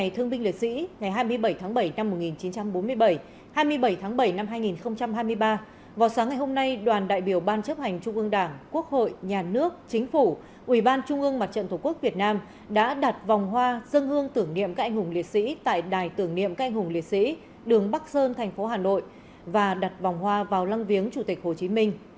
hai mươi bảy tháng bảy năm hai nghìn hai mươi ba vào sáng ngày hôm nay đoàn đại biểu ban chấp hành trung ương đảng quốc hội nhà nước chính phủ ủy ban trung ương mặt trận thủ quốc việt nam đã đặt vòng hoa dân hương tưởng niệm cại hùng liệt sĩ tại đài tưởng niệm cại hùng liệt sĩ đường bắc sơn thành phố hà nội và đặt vòng hoa vào lăng viếng chủ tịch hồ chí minh